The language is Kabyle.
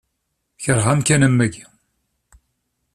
Keṛheɣ amkan am wagi.